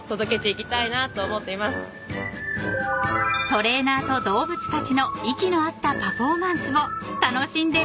［トレーナーと動物たちの息の合ったパフォーマンスを楽しんでみませんか？］